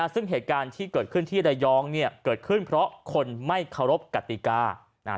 ซึ่งเหตุการณ์ที่เกิดขึ้นที่ระยองเนี่ยเกิดขึ้นเพราะคนไม่เคารพกติกา